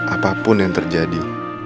apapun yang terjadi